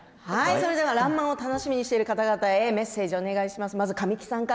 「らんまん」を楽しみにしている方々へメッセージをお願いします。